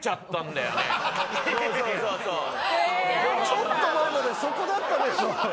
ちょっと前までそこだったでしょ。